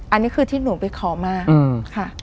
อันนี้คือที่หนูไปขอมาค่ะ